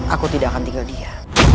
aku tidak akan tinggal dia